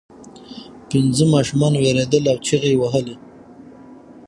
پنځه ماشومان ویرېدل او چیغې یې وهلې.